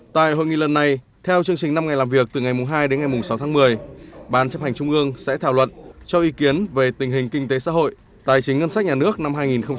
tại hội nghị lần này theo chương trình năm ngày làm việc từ ngày hai đến ngày sáu tháng một mươi ban chấp hành trung ương sẽ thảo luận cho ý kiến về tình hình kinh tế xã hội tài chính ngân sách nhà nước năm hai nghìn một mươi tám